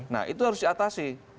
nah itu harus diatasi